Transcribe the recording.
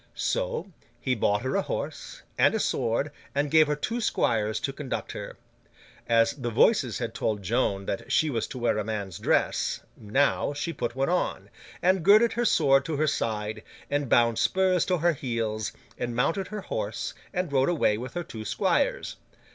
So, he bought her a horse, and a sword, and gave her two squires to conduct her. As the Voices had told Joan that she was to wear a man's dress, now, she put one on, and girded her sword to her side, and bound spurs to her heels, and mounted her horse and rode away with her two squires.